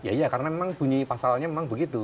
ya iya karena memang bunyi pasalnya memang begitu